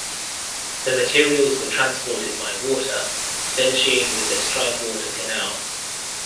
The materials were transported by water finishing with the Stroudwater Canal.